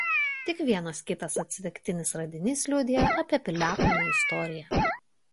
Tik vienas kitas atsitiktinis radinys liudija apie piliakalnio istoriją.